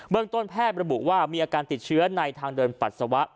ต้นแพทย์ระบุว่ามีอาการติดเชื้อในทางเดินปัสสาวะ